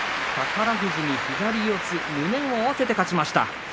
宝富士、左四つ胸を合わせて立ちました。